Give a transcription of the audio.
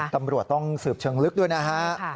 ตำรวจต้องสืบเชิงลึกด้วยนะฮะ